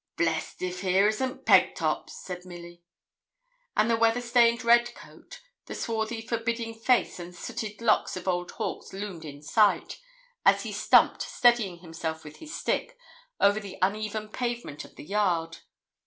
'Blest if here isn't Pegtop,' said Milly. And the weather stained red coat, the swarthy forbidding face and sooty locks of old Hawkes loomed in sight, as he stumped, steadying himself with his stick, over the uneven pavement of the yard.